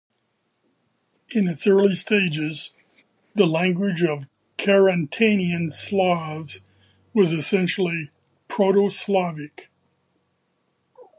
In its early stages, the language of Carantanian Slavs was essentially Proto-Slavic.